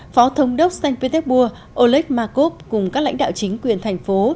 phó thống đốc st petersburg oleg makov cùng các lãnh đạo chính quyền thành phố